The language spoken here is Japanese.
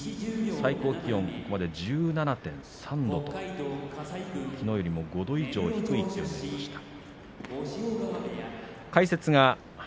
最高気温ここまで１７．３度ときのうよりも５度以上低い気温になりました。